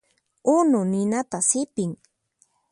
Unu ninata sipin.